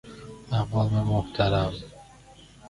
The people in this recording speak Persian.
مقام محترم